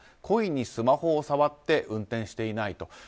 故意にスマホを触って運転していないと。